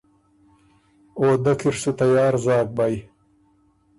او دۀ کی ر سُو تیار زاک بئ۔